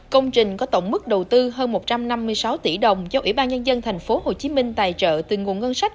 công trình có tổng mức đầu tư hơn một trăm năm mươi sáu tỷ đồng do ủy ban nhân dân tp hcm tài trợ từ nguồn ngân sách